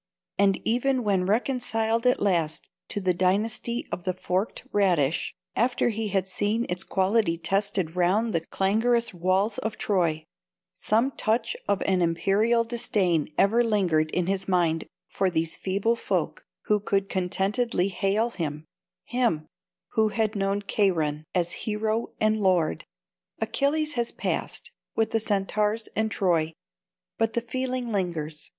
And even when reconciled at last to the dynasty of the forked radish, after he had seen its quality tested round the clangorous walls of Troy—some touch of an imperial disdain ever lingered in his mind for these feeble folk who could contentedly hail him—him, who had known Cheiron!—as hero and lord! Achilles has passed, with the Centaurs and Troy; but the feeling lingers.